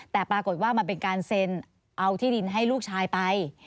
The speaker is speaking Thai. แต่ปรากฏว่ามันเป็นการเซ็นเอาที่ดินให้ลูกชายไป